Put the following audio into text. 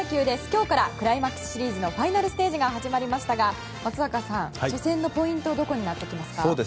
今日からクライマックスシリーズのファイナルステージが始まりましたが松坂さん、初戦のポイントはどこになってきますか？